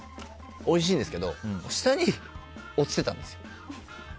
おいしいんですけど下に落ちてたんですよ。